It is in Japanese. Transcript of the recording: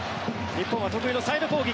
日本は得意のサイド攻撃。